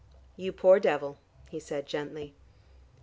"You poor devil," he said gently.